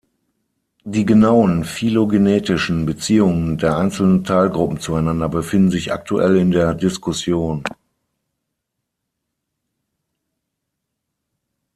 Die genauen phylogenetischen Beziehungen der einzelnen Teilgruppen zueinander befinden sich aktuell in der Diskussion.